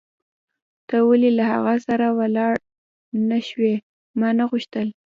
ته ولې له هغه سره ولاړ نه شوې؟ ما نه غوښتل.